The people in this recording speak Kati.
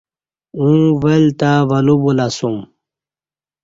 اوں ول تہ ولو بولہ اسوم